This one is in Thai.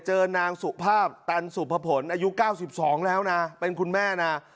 เจอนางสุภาพตันสุภพลอายุเก้าสิบสองแล้วนะเป็นคุณแม่นะ